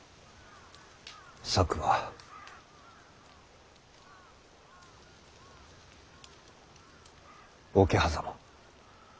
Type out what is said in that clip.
策は桶狭間。